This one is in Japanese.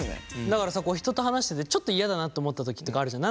だからさ人と話しててちょっと嫌だなと思った時あるじゃん。